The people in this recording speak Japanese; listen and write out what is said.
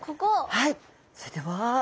はいそれでは。